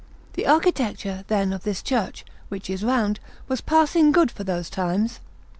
The architecture, then, of this church, which is round, was passing good for those times.